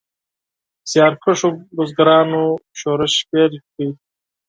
زیارکښو بزګرانو شورش پیل کړ.